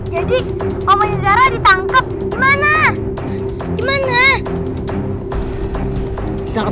jadi omongnya zara ditangkep gimana gimana